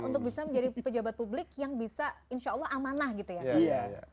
untuk bisa menjadi pejabat publik yang bisa insya allah amanah gitu ya